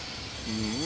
うん？